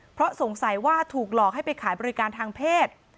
เพราะสงสัยว่าถูกหลอกให้ไปขายบริการทางเพศ